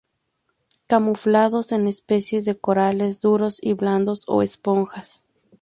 Camuflados en especies de corales duros y blandos, o esponjas.